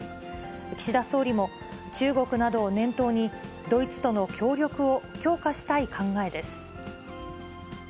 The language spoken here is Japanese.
岸田総理も、中国などを念頭に、ドイツとの協力を強化したい考え